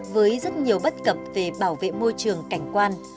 với rất nhiều bất cập về bảo vệ môi trường cảnh quan